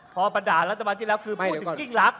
พอบรรดารัฐบาลที่แล้วคือพูดถึงยิ่งรัก